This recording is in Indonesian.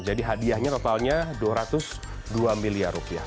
jadi hadiahnya totalnya dua ratus dua miliar rupiah